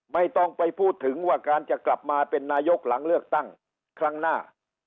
ไม่ต้องไปพูดถึงว่าการจะกลับมาเป็นนายกหลังเลือกตั้งครั้งหน้า